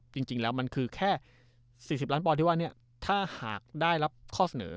จริงแล้วมันคือแค่๔๐ล้านปอนดที่ว่าถ้าหากได้รับข้อเสนอ